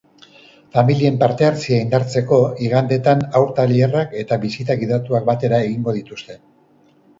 Familien partehartzea indartzeko, igandetan haur tailerak eta bisita gidatuak batera eginen dituzte.